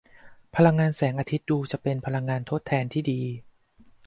พลังงานแสงอาทิตย์ดูจะเป็นพลังงานทดแทนที่ดี